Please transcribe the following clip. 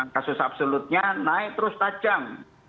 kasus absolutnya naik terus tajam